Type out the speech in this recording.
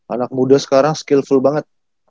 anak muda sekarang skillful banget